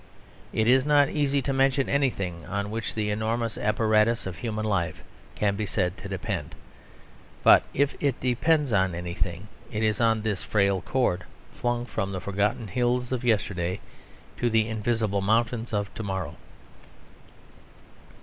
It is not easy to mention anything on which the enormous apparatus of human life can be said to depend. But if it depends on anything, it is on this frail cord, flung from the forgotten hills of yesterday to the invisible mountains of to morrow.